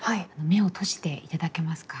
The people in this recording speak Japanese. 目を閉じていただけますか？